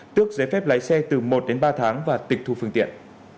tước giấy phép lái xe từ một đến ba tháng và tịch thu phương tiện